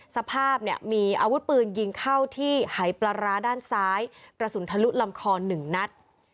สภาพเนี่ยมีอาวุธปืนยิงเข้าที่หายปลาร้าด้านซ้ายกระสุนทะลุลำคอ๑นัด